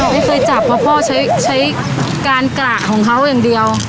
ไม่เคยจับเพราะพ่อใช้การกรากของเขาอย่างเดียว